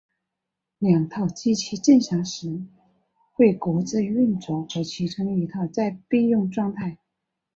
两套机器正常时会各自运作或其中一套在备用状态。